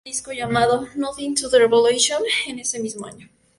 Con esta banda grabó un disco llamado "Nothing to Revolution" en ese mismo año.